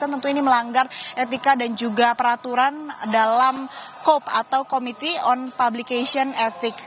tentu ini melanggar etika dan juga peraturan dalam kop atau committee on publication ethic